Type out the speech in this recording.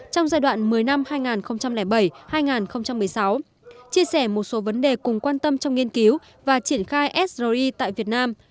trong giai đoạn một mươi năm hai nghìn bảy hai nghìn một mươi sáu chia sẻ một số vấn đề cùng quan tâm trong nghiên cứu và triển khai sri tại việt nam